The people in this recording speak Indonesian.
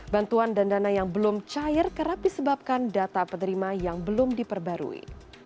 bantuan dan dana yang belum cair kerap disebabkan data penerima yang belum diperbarui